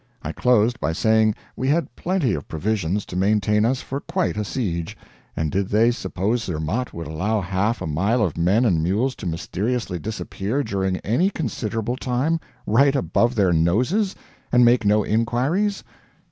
I closed by saying we had plenty of provisions to maintain us for quite a siege and did they suppose Zermatt would allow half a mile of men and mules to mysteriously disappear during any considerable time, right above their noses, and make no inquiries?